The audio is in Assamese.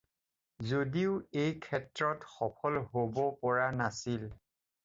যদিও এই ক্ষেত্ৰত সফল হ'ব পৰা নাছিল।